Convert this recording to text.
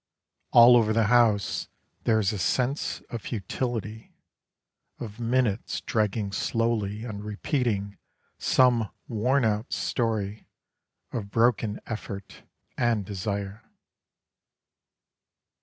All over the house there is a sense of futility; Of minutes dragging slowly And repeating Some worn out story of broken effort and desire.